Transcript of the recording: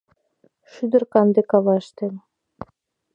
Шӱдыр канде каваште.